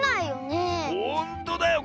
ほんとだよ！